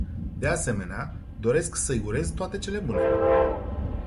De asemenea, doresc să-i urez toate cele bune.